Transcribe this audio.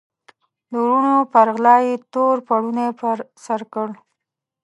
د وروڼو په غلا یې تور پوړنی پر سر کړ.